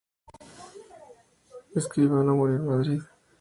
Escribano murió en Madrid.